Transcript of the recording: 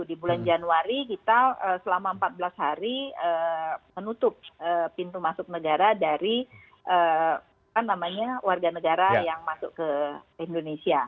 di bulan januari kita selama empat belas hari menutup pintu masuk negara dari warga negara yang masuk ke indonesia